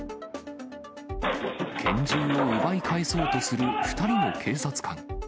拳銃を奪い返そうとする２人の警察官。